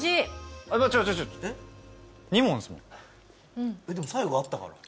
でも最後合ったから。